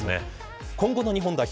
今後の日本代表